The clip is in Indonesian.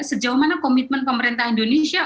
sejauh mana komitmen pemerintah indonesia